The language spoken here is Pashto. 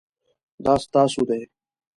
دا ستاسو دی؟